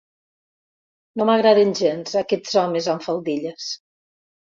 No m'agraden gens, aquests homes amb faldilles.